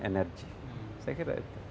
energi saya kira itu